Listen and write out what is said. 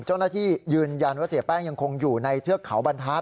เจ้าหน้าที่ยืนยันว่าเสียแป้งยังคงอยู่ในเทือกเขาบรรทัศน